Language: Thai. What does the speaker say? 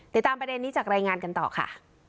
ติดตามประเด็นนี้จากรายงานกันต่อค่ะ